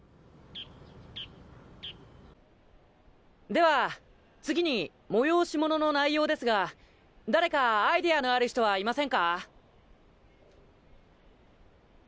では次に催し物の内容ですが誰かアイデアのある人はいませんか？